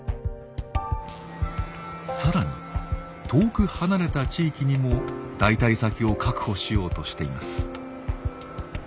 更に遠く離れた地域にも代替先を確保しようとしています。